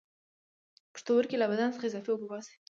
پښتورګي له بدن څخه اضافي اوبه وباسي